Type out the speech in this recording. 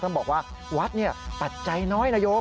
บอกว่าวัดปัจจัยน้อยนะโยม